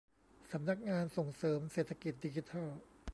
สำนักงานส่งเสริมเศรษฐกิจดิจิทัล